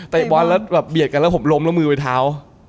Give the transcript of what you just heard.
บอลแล้วแบบเบียดกันแล้วผมล้มแล้วมือไปเท้า